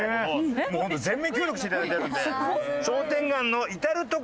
もうホント全面協力して頂いてるので。